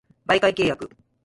媒介契約